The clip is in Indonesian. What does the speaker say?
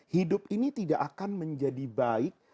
hidup ini tidak akan menjadi baik